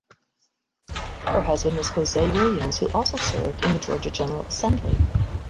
Her husband was Hosea Williams who also served in the Georgia General Assembly.